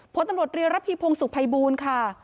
พตำรวจเรียรัฐภีพงษ์สุขภัยบูรณ์ค่ะ